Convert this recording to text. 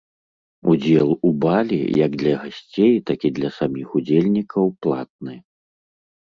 Удзел у балі як для гасцей, так і для саміх удзельнікаў платны.